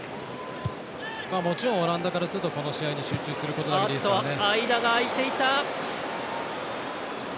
もちろんオランダからするとこの試合に集中することですね。